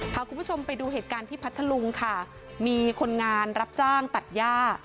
พาคุณผู้ชมไปดูเหตุการณ์ที่พัทธลุงค่ะมีคนงานรับจ้างตัดย่า